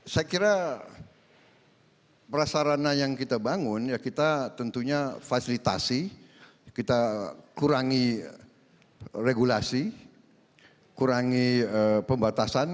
saya kira prasarana yang kita bangun ya kita tentunya fasilitasi kita kurangi regulasi kurangi pembatasan